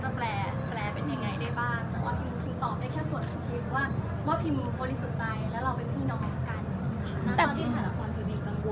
สติดตามตอบ๓